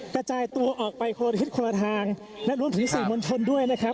กระจายตัวออกไปโคลทฤษฐ์คราวทางและรวมถึงสินมณ์ชนด้วยนะครับ